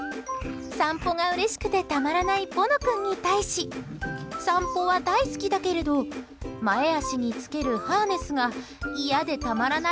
散歩がうれしくてたまらないボノ君に対し散歩は大好きだけれど前足につけるハーネスが嫌でたまらない